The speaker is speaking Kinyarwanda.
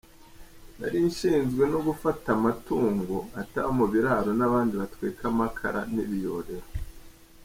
nari nshinzwe no gufata amatungo, ataba mu biraro n’abandi batwika amakara n’ibiyorero.